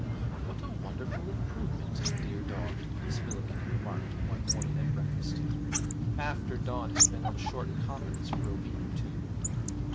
'What a wonderful improvement in the dear dog!' Miss Millikin remarked one morning at breakfast, after Don had been on short commons for a week or two.